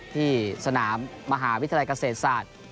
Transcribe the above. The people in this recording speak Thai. ที่สนามมหาวิทยาลัยเกษตรศาสตร์